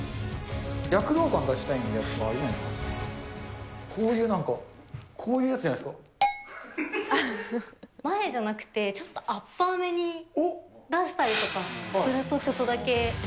躍動感出したいんで、やっぱりあれじゃないですか、こういうなんか、こういうやつじゃないで前じゃなくて、ちょっとアッパーめに出したりとかすると、ちょっとだけ。